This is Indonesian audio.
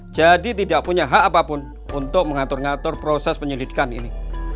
jadi tidak punya hak apapun untuk mengatur ngatur proses penyelidikan ini